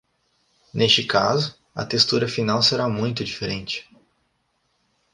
Neste caso, a textura final será muito diferente.